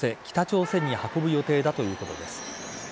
北朝鮮に運ぶ予定だということです。